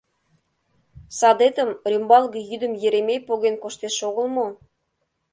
Садетым рӱмбалге йӱдым Еремей поген коштеш огыл мо?